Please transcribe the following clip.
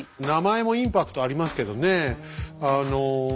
名前もインパクトありますけどね。